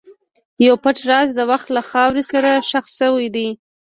یو پټ راز د وخت له خاورې سره ښخ شوی دی.